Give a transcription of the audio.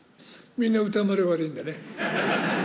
みんな、歌丸が悪いんだね。